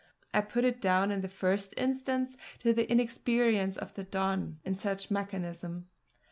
I put it down in the first instance to the inexperience of the Don in such mechanism.